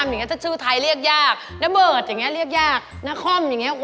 เห็นทำบ้านแบบเป็นปล่องเลย